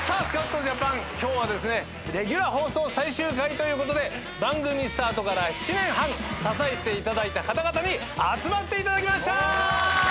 『スカッとジャパン』今日はですねレギュラー放送最終回ということで番組スタートから７年半支えていただいた方々に集まっていただきました。